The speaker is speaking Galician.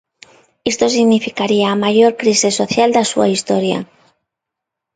Isto significaría a maior crise social da súa Historia.